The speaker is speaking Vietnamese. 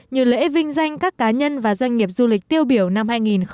như lễ vinh danh các cá nhân và doanh nghiệp du lịch tiêu biểu năm hai nghìn một mươi chín